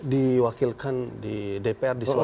diwakilkan di dpr